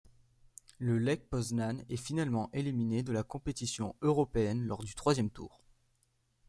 Le Lech Poznań est finalement éliminé de la compétition européenne lors du troisième tour.